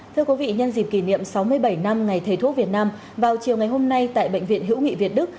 thưa quý vị nhân dịp kỷ niệm sáu mươi bảy năm ngày thầy thuốc việt nam vào chiều ngày hôm nay tại bệnh viện hữu nghị việt đức